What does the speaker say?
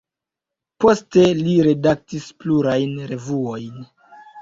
Poste li redaktis plurajn revuojn.